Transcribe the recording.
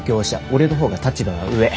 俺の方が立場は上。